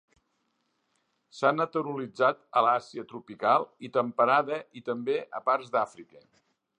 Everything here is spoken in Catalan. S'ha naturalitzat a l'Àsia tropical i temperada i també a parts d'Àfrica.